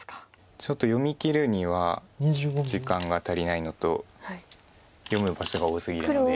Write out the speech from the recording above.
ちょっと読みきるには時間が足りないのと読む場所が多すぎるので。